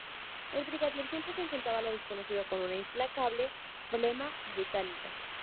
El Brigadier siempre se enfrentaba a lo desconocido con una implacable flema británica.